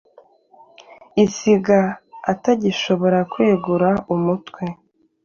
isiga atagishobora kwegura umutwe.